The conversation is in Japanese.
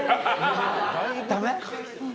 ダメ？